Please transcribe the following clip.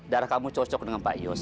darah kamu cocok dengan pak yus